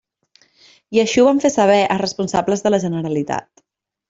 I així ho van fer saber a responsables de la Generalitat.